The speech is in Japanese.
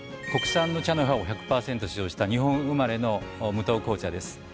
国産の茶の葉を１００％使用した日本生まれの無糖紅茶です。